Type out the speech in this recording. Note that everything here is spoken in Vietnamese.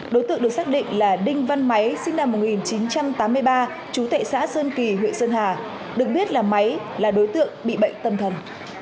đối tượng được xác định là đinh văn máy sinh năm một nghìn chín trăm tám mươi ba chú tệ xã sơn kỳ huyện sơn hà được biết là máy là đối tượng bị bệnh tâm thần